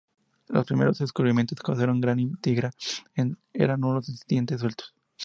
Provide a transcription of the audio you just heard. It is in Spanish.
Los primeros descubrimientos causaron gran intriga, eran unos dientes sueltos.